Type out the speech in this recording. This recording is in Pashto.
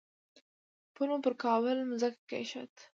پل مو پر کابل مځکه کېښود.